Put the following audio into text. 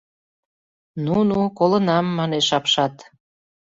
— Ну-ну, колынам, — манеш апшат.